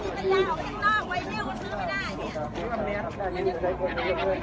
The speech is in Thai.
มีผู้ที่ได้รับบาดเจ็บและถูกนำตัวส่งโรงพยาบาลเป็นผู้หญิงวัยกลางคน